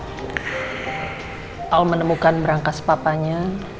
jadi dalam berangkas papanya al menemukan berangkas papanya